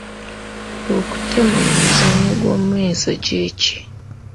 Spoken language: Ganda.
Okutema mu muzannyo gw’omweso kye ki?